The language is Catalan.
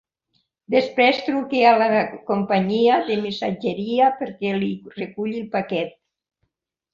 Després truqui a la companyia de missatgeria perquè li reculli el paquet.